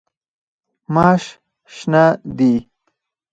ماش شنه دي.